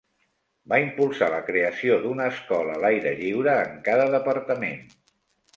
Va impulsar la creació d'una escola a l'aire lliure en cada departament.